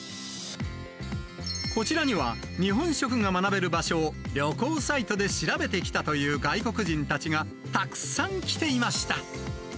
こちらには、日本食が学べる場所を旅行サイトで調べてきたという外国人たちがたくさん来ていました。